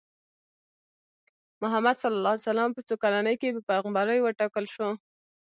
محمد ص په څو کلنۍ کې په پیغمبرۍ وټاکل شو؟